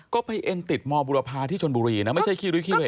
ก็ไปเอ็นติดมบุรพาที่ชนบุรีนะไม่ใช่ขี้ริขี้เร